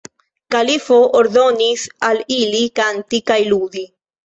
Kalifo ordonis al ili kanti kaj ludi.